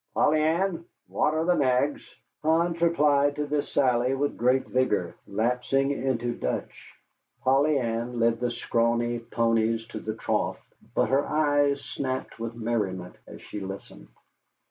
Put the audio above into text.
Polly Ann, water the nags." Hans replied to this sally with great vigor, lapsing into Dutch. Polly Ann led the scrawny ponies to the trough, but her eyes snapped with merriment as she listened.